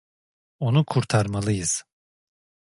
Onu kurtarmalıyız.